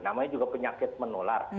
namanya juga penyakit menular